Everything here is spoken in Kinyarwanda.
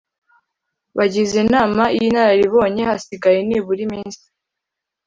Bagize inama y inararibonye hasigaye nibura iminsi